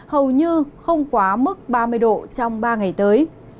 hầu như không quá mức ba mươi độ trong ba ngày tới